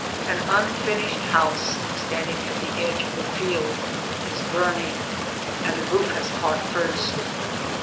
An unfinished house standing at the edge of a field is burning — and the roof has caught first.